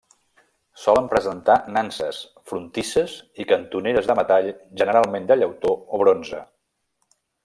Solen presentar nanses, frontisses i cantoneres de metall generalment de llautó o bronze.